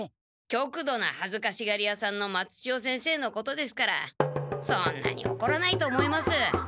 きょくどなはずかしがり屋さんの松千代先生のことですからそんなにおこらないと思います。